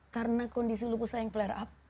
karena kondisi lupus saya yang flare up